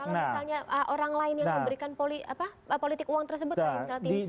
kalau misalnya orang lain yang memberikan politik uang tersebut misalnya tim saya